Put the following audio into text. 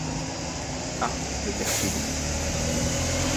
Ah le perfide!